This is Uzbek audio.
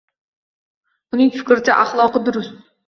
Uning fikricha, axloqi durust